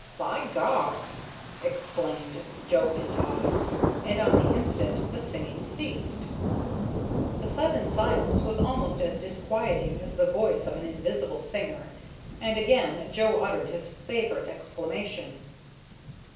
"By gar!" exclaimed Joe Pintaud, and on the instant the singing ceased. The sudden silence was almost as disquieting as the voice of an invisible singer, and again Joe uttered his favorite exclamation.